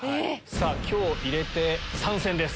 今日を入れて３戦です。